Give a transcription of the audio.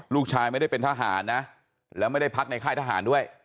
ลูกชายไม่ได้เป็นทหารนะแล้วไม่ได้พักในค่ายทหารด้วย